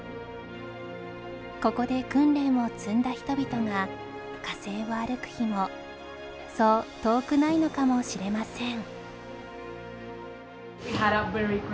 ここで訓練を積んだ人々が火星を歩く日もそう遠くないのかもしれません